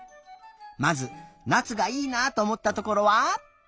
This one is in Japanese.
まずなつがいいなとおもったところは？